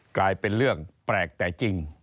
กลายเป็นเรื่องแปลกแต่จริง